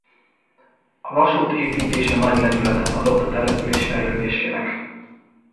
A vasút építése nagy lendületet adott a település fejlődésének.